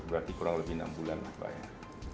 berarti kurang lebih enam bulan lah ya